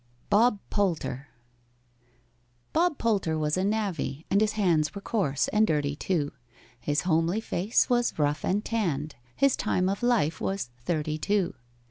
BOB POLTER BOB POLTER was a navvy, and His hands were coarse, and dirty too, His homely face was rough and tanned, His time of life was thirty two.